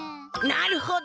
なるほど。